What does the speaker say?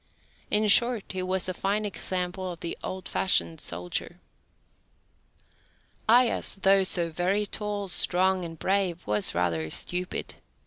In short, he was a fine example of the old fashioned soldier. Aias, though so very tall, strong, and brave, was rather stupid.